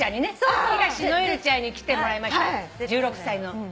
１６歳の。